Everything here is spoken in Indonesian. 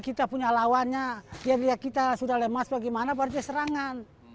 kita punya lawannya dia lihat kita sudah lemas bagaimana baru dia serangan